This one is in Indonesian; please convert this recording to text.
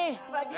iya pak ji